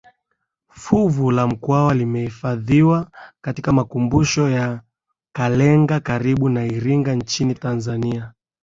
Fuvu la Mkwawa limehifadhiwa katika Makumbusho ya Kalenga karibu na Iringa nchini Tanzania